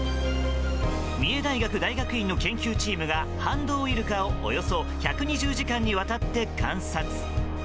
三重大学大学院の研究チームがハンドウイルカを、およそ１２０時間にわたって観察。